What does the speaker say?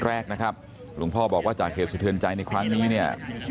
แรกนะครับหลวงพ่อบอกว่าจากเหตุสะเทือนใจในครั้งนี้เนี่ย